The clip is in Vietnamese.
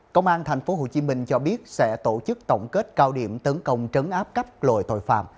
công an tp hcm cho biết sẽ tổ chức tổng kết cao điểm tấn công trấn áp cấp lội tội phạm